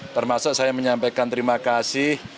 termasuk saya menyampaikan terima kasih